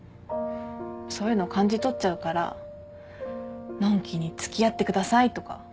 そういうの感じ取っちゃうからのんきに「付き合ってください」とか言えないよ。